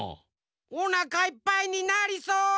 おなかいっぱいになりそう。